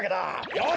よし！